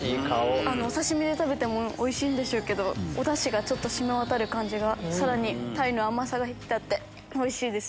お刺し身で食べてもおいしいんでしょうけどおダシが染み渡る感じがさらに鯛の甘さが引き立っておいしいです。